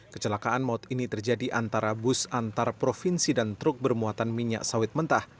kecelakaan maut ini terjadi antara bus antar provinsi dan truk bermuatan minyak sawit mentah